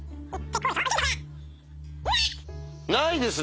ないですね！